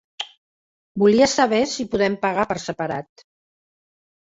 Volia saber si podem pagar per separat.